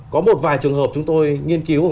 có một vài trường hợp chúng tôi nghiên cứu